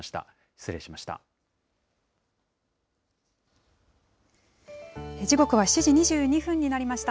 失礼しました。